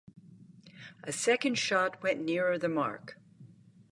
A second shot went nearer the mark.